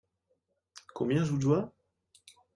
Combien je vous dois ?